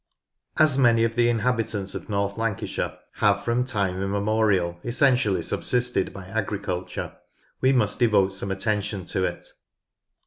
As many of the inhabitants of North Lancashire have from time immemorial essentially subsisted by agriculture, we must devote some attention to it.